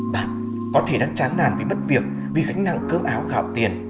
bạn có thể đang chán nàn vì mất việc vì gánh nặng cơm áo gạo tiền